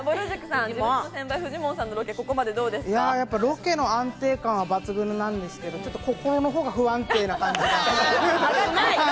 ロケの安定感は抜群なんですけども、心の方が不安定な感じが。